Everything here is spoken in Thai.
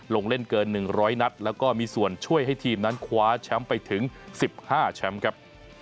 ลงเล่นเกิน๑๐๐นัดแล้วก็มีส่วนช่วยให้ทีมนั้นคว้าแชมป์ไปถึง๑๕แชมป์ครับ